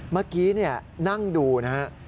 เมื่อกี้นั่งดูนะฮะ